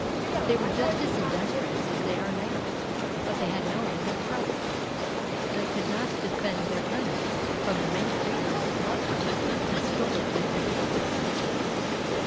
They were just as industrious as they are now, but they had no end of trouble, for they could not defend their honey from the many creatures that loved it and stole it at every opportunity.